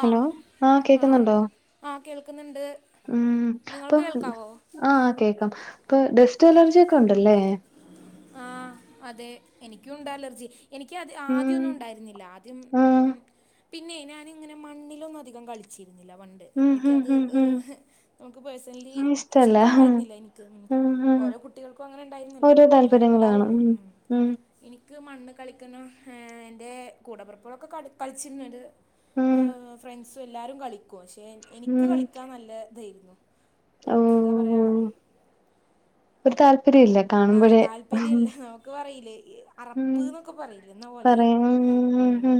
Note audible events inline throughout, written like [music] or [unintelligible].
Hello ആഹ് ആ കേക്കുന്നു ഉണ്ടോ? ആ കേൾക്കുന്നുണ്ട് ഉം നിങ്ങൾക്ക് ഇപ്പം കേൾക്കാവോ ആഹ് കേക്കാം ഇപ്പം ഡെസ്റ്റ് അലർജിയൊക്കെ ഉണ്ട് അല്ലെ ആഹ് അതെ എനിക്കും ഉണ്ട് അലർജി എനിക്ക് അത് ആദ്യം ഉം ഒന്നും ഉണ്ടായിരുന്നില്ല ആദ്യം ആഹ് ഉം പിന്നെയ് നാൻ ഇങ്ങനെ മണ്ണിലൊന്നും അധികം കളിച്ചീര്ന്നില്ല പൺ ഉം ഉം ഇൻക്കത് ഉം ഉം നമുക്ക് പേഴ്സണലി ഇഷ്ടല്ല ഉം ഇഷ്ടണ്ടായിരുന്നില്ല ഇനിക്ക് ഉം ഓരോ കുട്ടികൾക്കും അങ്ങനെ ഉണ്ടായിരുന്നല്ലോ ഓരോ ആ താല്പര്യങ്ങള് കാണും ഉണ്ടാവോല്ലോ ഉം എനിക്ക് മണ്ണ് കളിക്കുന്ന ഏ എൻ്റെ കൂടപ്പുറപ്പോളൊക്കെ കട് കളിച്ചിരുന്നത് ഉം ഏഹ് ഫ്രണ്ട്സും എല്ലാരും കളിക്കും പക്ഷെ എനിക്ക് ഉം കളിക്കാൻ നല്ല ഇതേയിരുന്നു ഒരു ന്താ പറയാ ഓഹ് ഒരു താല്പര്യല്ലേ ആഹ് താല്പര്യല്ല നമുക്ക് പറയീലേ ഉം. അറപ്പ് ന്നൊക്കെ പറയില്ലേ ന്ന പോലൊയിരുന്നു ഉം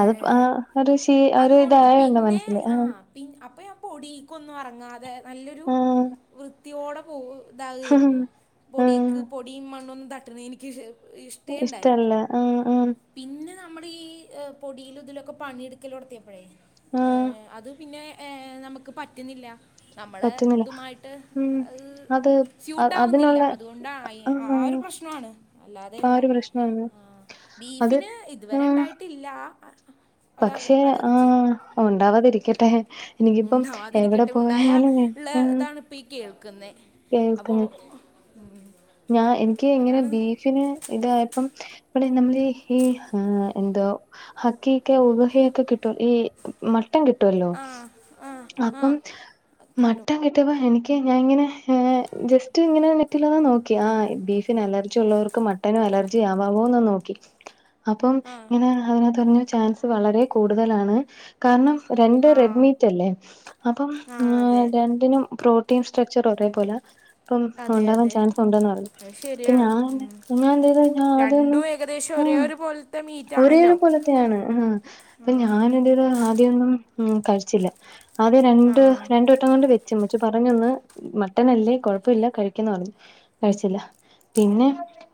അത് പ്പൊ ആഹ് ഒരു ശീല ഒര് അതുകൊണ്ട് ഇതായോണ്ടാ പിന്നെ മനസ്സിൽ ആഹ് പി അപ്പൊ ഞാൻ പൊടീക്കൊന്നും അറ്ങ്ങാതെ നല്ലൊരു ആഹ് വൃത്തിയോടെ പോവു ഇതാ [unintelligible] ആഹ് പൊടീക്ക് പൊടിയും മണ്ണൊന്നും തട്ട്ണത് എനിക്ക് ഇ ഇഷ്ടല്ല ഇഷ്ടേണ്ടായിരുന്നില്ല. ആഹ് ആഹ് പിന്നെ നമ്മള് ഈ പൊടിയിലു ഇതിലൊക്കെ പണിയെടുക്കല് തൊട്ത്തിയപ്പളെയ് ആഹ് ഏഹ് അത് പിന്നെ ഏഹ് നമുക്ക് പറ്റുന്നില്ല നമ്മളെ പറ്റുന്നില്ല ഇതുമായിട്ട് ഉം അഹ് അത് കൂട്ടാവുന്നില്ല അതിനുള്ള അതുകൊണ്ടാ ആഹ് ഒരു പ്രശ്നാണ് ആ അല്ലാതെല്ല ഒരു പ്രശ്നാണ് ആഹ് അത് ബീഫിന് ഇതുവരെ ആഹ് ഇണ്ടായിട്ടില്ല ആഹ് പക്ഷെ ആഹ്‌ ഉണ്ടാവാതിരിക്കട്ടെ എനിക്കിപ്പം എവിടെ പോയാലും ഇള്ള ഇതാണ് ഇപ്പ കേൾക്കുന്നെ കേൾക്കുന്ന് ഞാ എനിക്ക് ഇങ്ങനെ അതാണ് ബീഫിന് ഇതായപ്പം [unintelligible] നമ്മള് ഈ ആഹ് എന്തോ ഹക്കീക്ക ഉളുഹിയൊക്കെ കിട്ടൊ ഈ മട്ടൻ കി ട്ടോല്ലോ ആ ആ ആ അപ്പം കിട്ടും മട്ടൻ കിട്ടുമ്പോ എനിക്ക് ഞാൻ ഇങ്ങനെ ഏഹ് ജസ്റ്റ് ഇങ്ങനെ നെറ്റിലൊന്ന് നോക്കി ആ ബീഫിന് അലർജി ഉള്ളവർക്ക് മട്ടനും അലർ യാവാവോന്ന് നോക്കി അപ്പം ആ ഇങ്ങനെ അതിനത്ത് പർഞ്ഞു ചാൻസ് വളരെ കൂടുതലാണ് കാരണം രണ്ട് ആ റെഡ്മീറ്റ് അല്ലേ അപ്പം ആ ഉം അതെ രണ്ടിനും പ്രൊ ട്ടീൻ സ്ട്രക്ചർ ഒരേ പോലെ ഇപ്പം അതെ ഉണ്ടാവാൻ അതെ ചാൻസ് ഉണ്ടന്ന് പറഞ്ഞു അത് ഇപ്പ ശരിയാണ് ഞാന് ഉം. ഞാൻ എന്ത ചെയ്തയ്ന്നാൽ ആദ്യൊന്ന് രണ്ടും ഏകദേശം ഒരേ ഉം ഒരു പോലത്തെ മീറ്റ് ഒരേ ഒരു ആണല്ലോ പോലത്തെയാണ് ആഹ് അപ്പൊ ഉം. ഞാന് [unintelligible] ആദ്യൊന്നും ഉം കഴിച്ചില്ല ആദ്യ ആ രണ്ട് രണ്ട് വട്ടം കൊണ്ട് വെച്ചു ഇമ്മച്ചി പറഞ്ഞെന്ന് മ ട്ടനല്ലേ കുഴപ്പല്ല കഴിക്കെന്ന് പറഞ്ഞു കഴിച്ചില്ല പിന്നെ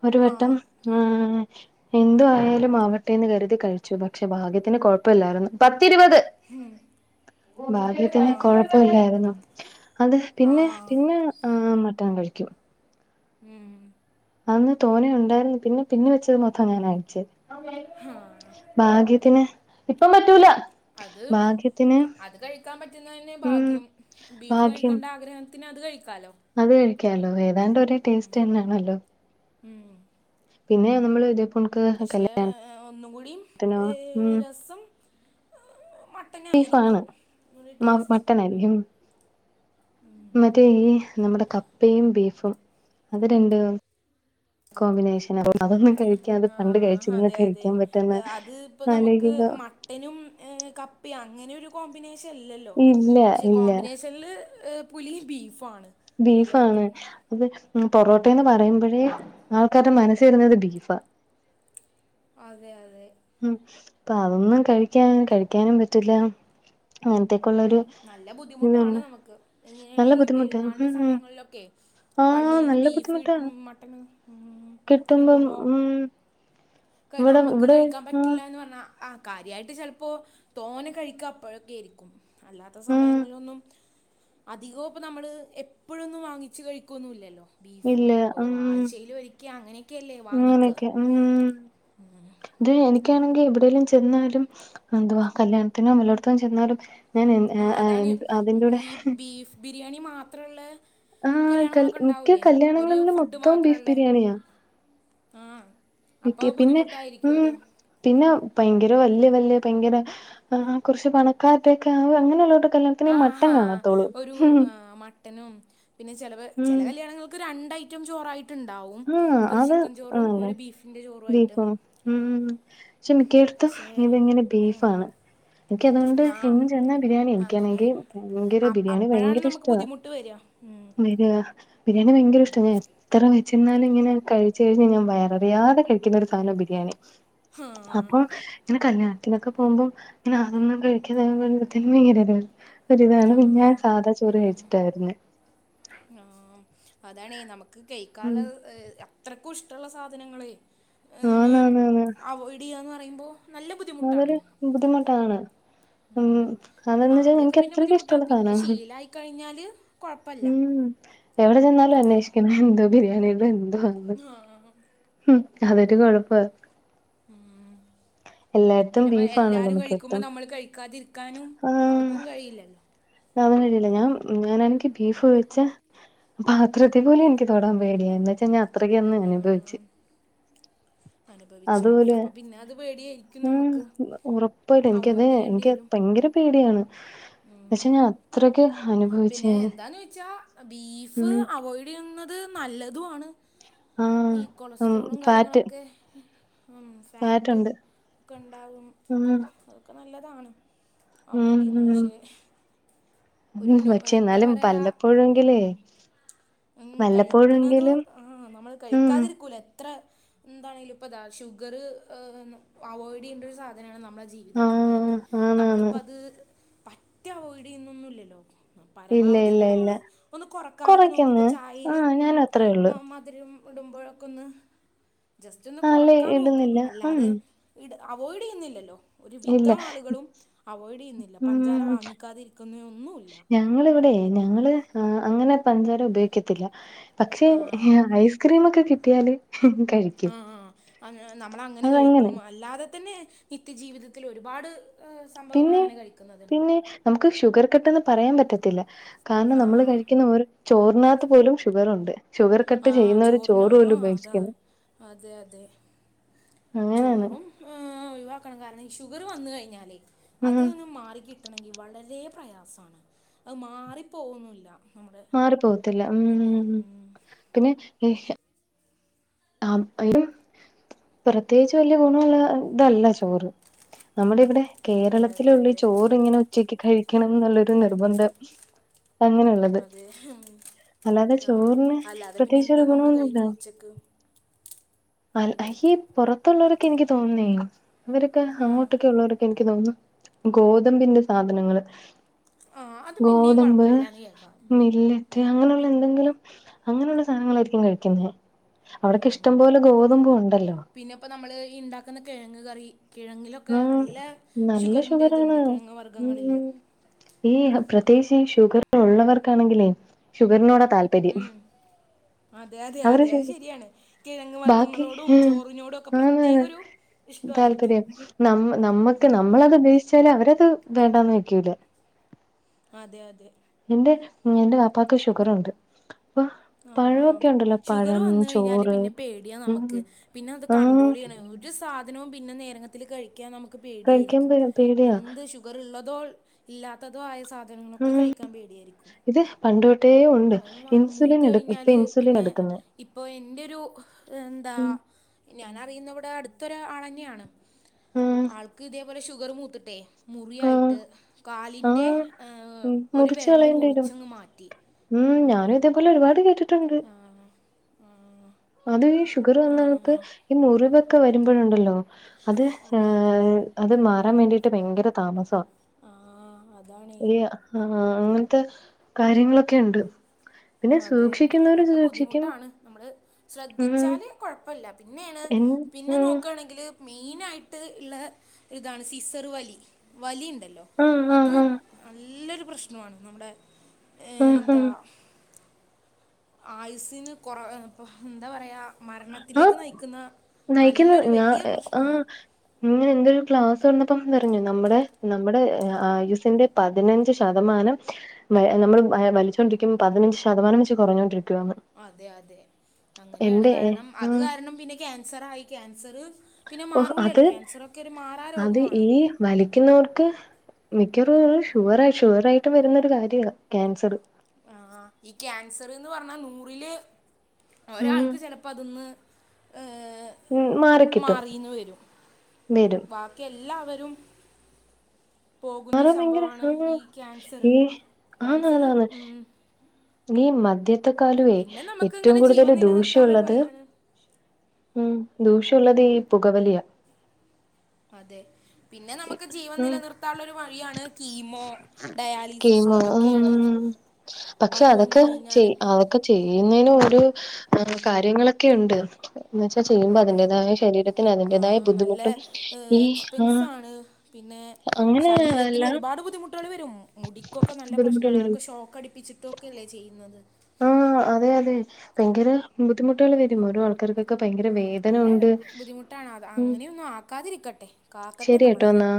ഒരു വട്ടം ആഹ് എന്ത് ആയാലും ആവട്ടെന്ന് കരുതി കഴിച്ചു പക്ഷെ ഭാഗ്യത്തിന് കൊഴപ്പല്ലായിരുന്നു പത്തിരുപത് ഭാഗ്യത്തിന് ആ കൊഴപ്പല്ലായിരുന്നു അത് ആ പിന്നെ ന്നെ ആഹ് മട്ടൻ കഴിക്കും ഉം അന്ന് തോനെ ഉണ്ടായിരുന്നു പിന്നെ പിന്ന വെച്ചത് മൊത്തം ഞാനാ കഴിച്ചേ ആഹ് ഭാഗ്യത്തിന് ഇപ്പം പറ്റൂല അത് ഭാഗ്യത്തിന് അത് കഴിക്കാൻ പറ്റുന്നതന്നെ ഉം ഭാഗ്യം ബീഫ് ഭാഗ്യം കഴിക്കണ്ട ആഗ്രഹം ത്തിന് അത് കഴിക്കാലോ അത് കഴിക്കാലോ ഏതാണ്ട് ഒരേ ടേസ്റ്റ് തന്നെയാണല്ലോ ഉം പിന്നെ നമ്മള് ഇതേ പക്ഷേ ഒന്നും കൂടിം കല്യാണത്തിനോ ഏ ഉം രസം ബീഫാണ് മട്ടനായിരിക്കും ഒരു മ ടേസ്റ്റ് മട്ടണായിരിക്കും മറ്റേ ഈ നമ്മുടെ കപ്പയും ബീഫും അത് രണ്ടും കോമ്പിനേഷൻ അഴ [unintelligible] ആഹ് അതെ അതെ അത് ഇപ്പ നമുക്ക് ആലോചിക്കുമ്പോ മ ട്ടിനും കപ്പ് അങ്ങനെ ഒരു കോമ്പിനേഷൻ ഇല്ലല്ലോ ഇല്ല പക്ഷെ ഇല്ല കോമ്പിനേഷ ഷല് പുലിം ബീഫാണ് ബീഫാണ് അത് പൊറോട്ട എന്ന് പറയുമ്പോഴേ ആൾക്കാരുടെ മനസ്സി വരുന്നത് ബീഫാ അതെ അതെ ഉം അപ്പൊ അതൊന്നും കഴിക്കാ കഴിക്കാനും പറ്റില്ല അങ്ങനത്തേക്കുള്ളൊരു നല്ല ബുദ്ധിമുട്ടാണ് ഇതുണ്ട് നമുക്ക് ഇങ്ങനെ നല്ല ഈ ബുദ്ധിമുട്ടാ പെരുന്നാളിന്റെ ഉം ഉം സമയങ്ങളിലൊക്കെ ആഹ് പള്ളിയിൽ നിന്ന് നല്ല ബീഫ് ബുദ്ധിമുട്ടാ കിട്ടും മട്ടനും ഉം കിട്ടുമ്പം ഉം ഇവിടെ നമുക്ക് ഇവിടെ കഴിക്കാൻ ആഹ് പറ്റില്ല എന്ന് പറഞ്ഞാ ആഹ് കാര്യമായിട്ട് ചിലപ്പോ തോനെ കഴിക്കുക അപ്പോഴൊക്കെ ആയിരിക്കും അല്ലാത്ത ഉം സമയങ്ങളിലൊന്നും അധികവും അപ്പൊ നമ്മള് എപ്പോഴൊന്നും വാങ്ങിച്ച് കഴിക്കുവൊന്നുംല്ലല്ലോ ബീഫ് ഇല്ല ഓ ഉം ആഴ്ചയിൽ ഒരിക്കെ അങ്ങനെയൊക്കെയല്ലേ വാങ്ങിക്കുക അങ്ങനെയൊക്കെ ഉം ഉം ഇത് എനിക്കാണെങ്കിൽ എവിടേലും ചെന്നാലും എന്തുവാ കല്യാണത്തിനോ വല്ലോടുത്തും ചെന്നാലും ഞാൻ ആ അതാണ് അതിന്റെകൂടെ ഈ ബീഫ് ബിരിയാണി മാത്രമുള്ളെ ആഹ് കൽ കല്യാണങ്ങളൊക്കെ മിക്ക ഉണ്ടാവൂലേ ഒരു കല്യാണങ്ങളിലും ഫുഡ് മൊത്തം ബീഫ് മാത്രല്ലേ ബിരിയാണിയാ ആഹ് അപ്പോ മിക്ക അത് പിന്നെ ബുദ്ധിമുട്ടായിരിക്കുവോ ഉം അത് പിന്നെ ഭയങ്കര വലിയ വലിയ ഭയങ്കര കുറച്ച് പണക്കാരത്തൊക്കെ അങ്ങനെയുള്ളോട്ട് ആഹ് ഒരു ആഹ് മട്ടനും പിന്നെ ചെല ചെല കല്യാണങ്ങൾക്ക് രണ്ട് ഐറ്റം ചോറായിട്ടുണ്ടാവും ഉം ആഹ് പ്പം ഒരു അത് ചിക്കൻ ചോറും ആണല്ലേ ഒരു ബീഫിൻ്റെ ചോറും ആയിട്ട് ബീഫും ഉം പക്ഷെ മിക്കടുത്തും ഇതിങ്ങനെ ഉം, ബീഫാണ് എനിക്ക് അതുകൊണ്ട് ആ ഇന്ന് ചെന്നാ ബിരിയാണി അങ്ങനെ എനിക്കാണെങ്കി ഭയങ്കര അ- ബിരിയാണി അപ്പോഴാണ് ഭയങ്കര നമുക്ക് ഇഷ്ടവാ ബുദ്ധിമുട്ട് വരിക ഉം. ബരിയാ ബിരിയാണി ഭയങ്കര ഇഷ്ട ഞാൻ എത്ര ചെന്നാല് എന്നും ഇങ്ങനെ കഴിച്ച് കഴിച്ച് ഞാൻ വയററിയാതെ കഴിക്കുന്ന ഒരു സാധനാ ബിരിയാണി ഹാ, അപ്പൊ ഇങ്ങനെ കല്യാണത്തിനൊക്കെ പോകുമ്പോം ഞാൻ അതൊന്നും കഴി ന് പറയുമ്പത്തേനും ഭയങ്കര ഒരിതാണ് ഞാൻ സാധാ ചോറ് കഴിച്ചിട്ടാ വരുന്നെ ആഹ് അതാണ് നമുക്ക് ഉം കൈക്കാള്ളത് അത്രക്കും ഇഷ്ടമുള്ള സാധനങ്ങളെ അങ്ങനെ ആന്ന് ആന്ന് ആന്ന് അവോയ്ഡ് ചെയ്യാന്ന് പറയുമ്പോൾ നല്ല അതൊരു ബുദ്ധിമുട്ടാണ് ബുദ്ധിമുട്ടാണ് ഉം അതെന്ന് വെച്ചാൽ ആദ്യമൊക്കെ എനിക്ക് പിന്നെ അത്രക്ക് ബുദ്ധിമുട്ടാ ഇഷ്ടമുള്ള പിന്നെ സാധനാ ശീലായി കഴിഞ്ഞാല് കൊഴപ്പല്ല ഉം എവിടെ ചെന്നാലും അന്വേഷിക്കണം എന്തോ ബിരിയാണിയുടെ എന്തോ ആന്ന് ആഹ് ഉം അതൊരു കുഴപ്പാ ഉം എല്ലായിടത്തും പിന്നെപ്പോ ബീഫാണല്ലോ എല്ലാരും കഴിക്കുമ്പോ മിക്കയിടത്തും നമ്മള് കഴിക്കാതിരി ക്കാനും അതും കഴിയില്ലല്ലോ ഇതാവാൻ കഴിയില്ല ഞാൻ ഞാനാണെങ്കിം ബീഫ് വെച്ചാ പാത്രത്തി പോലും എനിക്ക് തൊടാൻ പേടിയാ എന്ന് വച്ചാ ഞാൻ അത്രക്ക് ഒന്ന് ആഹ് അനുഭവിച്ചു അനുഭവിച്ചും അതുപോലെ അപ്പൊ പിന്നെ അത് പേടിയായിരിക്കും ഉം നമുക്ക് ഉറപ്പായിട്ടും എനിക്കത് അവോയ്ഡ് ചെയ്യേണ്ടി എനിക്ക് അത് വരും ഭയങ്കര പേടിയാണ് പക്ഷെ ഞാൻ അത്രക്ക് അനുഭവി പിന്നെ എന്താന്ന് വെച്ചാ ബീഫ് ഉം അവോയ്ഡ് ചെയ്യുന്നത് നല്ലതും ആണ് ആഹ് ഈ ഉം കൊളസ്ട്രോളും ഫാറ്റ് കാര്യങ്ങളൊക്കെ ഉം ഫാറ്റും ഫാറ്റുണ്ട് ഉം ഒക്കെയുണ്ടാകുമ്പോ അതൊക്കെ നല്ലതാണ്. ഉം അവോയ്ഡ് ചെയ്യുന്നു ഉം പക്ഷേ ഒരു ഉം നോ പക്ഷെ എന്താ എന്നാലും പറയാ വല്ലപ്പോഴെങ്കിലേ ഉം കഴിക്കണത് വല്ലപ്പോഴെങ്കിലും ആഹ് നമ്മള് ഉം കഴിക്കാതിരിക്കൂലെ? ത്ര ന്താണെലും പ്പതാ ഷുഗറ് ഏ അവോയ്ഡ് യ്യണ്ട ഒരു സാധന നമ്മ മ്മള ജീവിതത്തിന്ന് തന്നെ ആഹ് ആന്നാന്ന് നമ്മളിപ്പോ അത് പറ്റേ അവോയോയിഡ് യ്യുന്നൊന്നുംല്ലല്ലോ ഇല്ല പരമാവധി ഇല്ല ഒന്ന് നമ്മള് ഇല്ല ഒന്ന് കൊറക്കാനൊക്കെ നോക്കും ഇപ്പ കൊറയ്ക്കുന്ന് ചായയില് ആഹ് ഉം ഞാനും അത്രേ ഒള്ളൂ മ മധു ധുരം ഇടുമ്പോഴൊക്കൊന്ന് ജസ്റ്റൊന്ന് അല്ലേ കൊറക്കാൻ നോക്കും ഇടുന്നില്ല ഉം അല്ലാതെ ഇട് അവോയ്ഡ് യ്യൊന്നില്ലല്ലോ? ഒരു ഇല്ല വിധം ആളുകളും അവോയ്ഡ് യ്യുന്നില്ല പഞ്ചാര വാങ്ങിക്കാതിരിക്കുന്നെ ഒന്നുല്ല. ഞങ്ങളിവടെയ് ഞങ്ങള് അ അങ്ങനെ പഞ്ചാര ഉപയോഗ ക്കത്തില്ല പക്ഷേ ആ ഐസ്ക്രീമൊക്കെ കിട്ടിയാല് കഴ ആഹ് ആഹ് ആ അങ്ങ് നമ്മളങ്ങനെ കഴിക്കും അല്ലാതെ തെന്നെ നിത്യജീവിതത്തിലൊരുപാട് ഏ സംഭവങ്ങൾ പിന്നെ അങ്ങനെ കഴിക്കു പിന്നെ നമുക്ക് ഷുഗർ കട്ടെന്ന് പറയാൻ പറ്റത്തില്ല കാരണം ആ നമ്മള് കഴിക്കുന്ന ഓരോ ചോറിനകത്ത് പോലും ഷുഗറുണ്ട് ഷുഗർ കട്ട് ആ ചെയ്യുന്നൊരു ചോറിന് ചോറ് ആ പോലും അതാ ഉപേക്ഷിക്കുന്ന. അതെ അതെ ചോറും ഏ ഒയിവാക്കണം കാരണംഈ ഷുഗറ് വന്ന് കഴിഞ്ഞാലേയ് അത് ഉം ന്ന് മാറിക്കി കിട്ടണെങ്കിൽ വളരെ പ്രയാസാണ് അത് മാറിപ്പോകൊന്നുല്ല. മാറി പോകത്തില്ല ഉം ഉം പിന്നെ ഈ ആം അയിര് പ്രത്യേകിച്ച് വല്ല്യേ ഗുണള്ള തല്ല ചോറ് നമ്മുടെ ഇവിടെ അതെ അതെ കേരളത്തിലൊള്ളു ഈ അതെ ചോറ് ഇങ്ങനെ ഉച്ചക്ക് കഴിക്കണം എന്നുള്ളൊരു നിർബന്ധം. അങ്ങനെയുള്ളത് അതെ അല്ലാതെ ആഹ് ചോറിന് അല്ലാതെ പിന്നെ പ്രത്യേകിച്ച് എന്താ ഒരു നമ്മള് ഗുണമൊന്നുമില്ല കഴിക്ക ഉച്ചക്ക് അ അയ്യേ പൊറത്തുള്ളോരൊക്കെ എനിക്ക് തോനുന്നേയ് ഇവരൊക്കെ ആ അങ്ങോട്ടൊക്കെ ഉള്ളവർ എനിക്ക് തോന്നുന്നു ഗോതമ്പിന്റെ സാധനങ്ങള് ആ അത് പിന്നെയും ഗോതമ്പ് കുഴപ്പമില്ലാന്ന് കേൾക്കാം ഉം. നെല്ല് തെ അങ്ങനുള്ള എന്തെങ്കിലും അങ്ങനെയുള്ള സാധനങ്ങളായിരിക്കും കഴിക്കുന്ന. അവർക്ക ഉം. ഇഷ്ടംപോലെ ഗോതമ്പൂ ഉണ്ടല്ലോ? പിന്നെ പ്പോ നമ്മള് ഈ ണ്ടാക്കുന്ന കിഴങ് കറി കിഴങ്ങിലൊ ക്കെ ആഹ് നല്ല നല്ല ഷുഗറിന്റെ ഷുഗറാണ് ത്ണ്ട് കിഴങ്ങ് വർഗ്ഗങ്ങളില്. ഉം ഈ ഹ് പ്രത്യേകിച്ചീ ഷുഗർ ഉള്ളവർക്കാണെങ്കിലേയ് ഷുഗറിനോട താല്പ ഉം അതെ അതെ അവര് അതെ അത് ശരിയാണ്. കിഴങ്ങ് ബാക്കി വർഗ്ഗങ്ങളോടും ചോറിനോടൊക്കെ പ്രത്യേക ഒരു ഇഷ്ടമായിരിക്കും രിയോ നമ്മ നമ്മക്ക് ഉം. നമ്മളത് ഉപേശിച്ചാല് അവരത് വേണ്ടാന്ന് വെയ്ക്കൂല. അതെ അതെ എന്റെ ഞ്ഞിന്റെ വാപ്പാക്ക് ഷുഗറുണ്ട് അപ്പൊ ആഹ് പഴമൊക്കെ ഉണ്ടല്ലോ ഷുഗറ് പഴം വന്ന് കഴിഞ്ഞാല് ചോറ് പിന്നെ പേടിയാ ഉം നമ്മക്ക് പിന്നെ അത് ആഹ് കണ്ട്രോളിയ്യാനെയ് ഒരു സാധനവും പിന്നെ നേരങ്ങത്തില് കഴിക്കാൻ നമുക്ക് കഴിക്കാൻ പേടിയായിരിക്കും പേ പേടിയാ എന്ത് ഷു ഗറുള്ളതോ ഇല്ലാത്തതോ ആയ സാധ നങ്ങളൊക്കെ ആഹ് കഴിക്കാൻ പേടിയായിരിക്കും ഇത് പണ്ട് തൊട്ടേ ഉണ്ട് അത് ഇൻസുലിൻ ത് എടു ഇപ്പൊ കഴിഞ്ഞാല് ഇൻസുലിൻ പിന്നെ എടുക്കുന്നെ ഇപ്പോ ഇൻന്റെരു എന്താ ഉം ഞാനറിയുന്ന വ്ടെ അടുത്തൊരാ ആൾ തന്നെയാണ്. ആഹ് ആൾക്ക് ഇതേപോലെ ഷുഗർ മൂത്തിട്ടെയ് ആഹ് മുറിയായിട്ട് കാലിന്റെ ആഹ് ഏ ഉം ഒരു മുറിച്ച് വെരല് കളയേണ്ടി വരും മുറിച്ചങ്ങ് മാറ്റി. ഉം ഞാനും ഇതേപോലെ ഒരുപാട് കേട്ടിട്ടുണ്ട്. ആ ആ ആഹ് അത് ഈ ഷുഗറ് വന്ന ആൾക്ക് ഈ മുറിവൊക്കെ വരുമ്പോഴുണ്ടല്ലോ അത് ഏ അത് മാറാൻ വേണ്ടിട്ട് ഭയങ്കര താമസ ആ അതാണേ ഒര് ആ അങ്ങനത്തെ കാര്യങ്ങളൊക്കെണ്ട് അതെ നല്ല ബുദ്ധിമുട്ടാണ് നമ്മള് ഉം ശ്രദ്ധിച്ചാല് കൊഴപ്പല്ല പിന്നെയാണ് എൻ പിന്നെ ആഹ് നോക്കുകയാണെങ്കില് മെയിനായിട്ട് ള്ള ഇതാണ് സിസർ വലി വലി ഉണ്ടല്ലോ ആഹ് അത് ആഹ് ആഹ് നല്ലൊരു പ്രശ്നമാണ് നമ്മുടെ ഏയ് ആഹ് എന്താ ആയുസിന് കൊറവ എന്താ പറയാ മരണ ആഹ് നയിക്കുന്ന ഞാ വലിയ ആഹ് പ്രശ്നമാണ് ഇങ്ങനെ എന്തൊരു ക്ലാസ് വന്നപ്പം പറഞ്ഞു നമ്മുടെ നമ്മുടെ ആയുസിന്റെ പതിനഞ്ച് ശതമാനം നമ്മൾ വലിച്ചോണ്ടിരിക്കുമ്പോ പതിനഞ്ച് ശതമാനം വെച്ച് കുറഞ്ഞോണ്ടിരിക്കുവാണ് അതെ അതെ അങ്ങനെയാണ് കാരണം അത് ആഹ് കാരണം പിന്നെ ക്യാൻസർ ആയി ക്യാൻസറ് പിന്നെ ഓഹ് മാറൂലല്ലേ അത് ക്യാൻസറൊക്കെ ഒരു മാറാ അത് രോഗമാണ് ഈ വലിക്കുന്നവർക്ക് മിക്കവറും ഷുഗർ ഷുഗറായിട്ട് വരുന്നൊരു കാര്യ ക്യാൻസർ ആഹ് ഈ ക്യാൻസർന്ന് പറഞ്ഞ നൂറില് ഉം ഒരാൾക്ക് ചെലപ്പോ അതൊന്ന് ഉം മാറിക്കിട്ടും മാറീന്ന് വരും വരും ബാക്കി എല്ലാവരും പോകുന്നൊരു മാറാൻ ഭയങ്കര സംഭവമാണ് ആഹ് ഈ ക്യാൻസർ ഈ ക്യാൻസറ് ആന്നാന്നാന്ന് ഉം ഈ മദ്യത്തെ കാളുവേ പിന്നെ നമുക്ക് ഏറ്റവും ഇങ്ങനെ ജീവൻ കൂടുതൽ ദൂഷ്യ നിലനിർത്താനുള്ള ഒരു ഉള്ളത് വഴിയാണ് ഉം ദൂഷ്യം ള്ളത് ഈ പുകവലിയാ അതെ പിന്നെ നമുക്ക് ജീവൻ ഉം നിലനിർത്താനുള്ള ഒരു വഴിയാണ് കീമോ ഡയാലിസിസ് കീമോ അതൊക്കെയാണ് പക്ഷെ അത് വന്ന് അതൊക്കെ കഴിഞ്ഞാൽ ചെയ ക്കെ ചെയ്യുന്നതിന് ഒരു കാര്യങ്ങളൊക്കെ ഉണ്ട് വെച്ചാ ചെയ്യുമ്പോ അതെ അതിന്റേതായ ശരീരത്തിന് അതിന്റേതായ ആഹ് നല്ല ബുദ്ധിമുട്ടും ഈ ആ എക്സ്പെൻസാണ് പിന്നെ അങ്ങനെ ശരീരത്തിന് അല്ല ഒരുപാട് ബുദ്ധിമുട്ട് ട്ടേൾ വരും മുടിക്കൊക്കെ നല്ല ബുദ്ധിമുട്ടുകൾ പ്രശ്നമാണ് വരും അതൊക്കെ ഷോക്ക് അടിപ്പിച്ചിട്ടും ഒക്കെല്ലേ ചെയ്യുന്നത് ആഹ് അതെ അതെ ഭയങ്കര ബുദ്ധിമുട്ടുകൾ വരും ഓരോ ആൾക്കാർക്കൊക്കെ ഭയങ്കര വേദ നല്ല ബുദ്ധിമുട്ടാണ് അത് അങ്ങനെയൊന്നും ആക്കാതിരിക്കട്ടെ കാക്കട്ടെ ശരി കേട്ടോ നമ്മളെ എന്നാ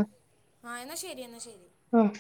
ആഹ് എന്നാ ശരി എന്നാ ശരി ആഹ്